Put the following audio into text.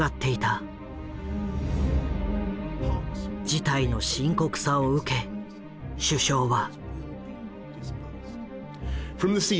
事態の深刻さを受け首相は。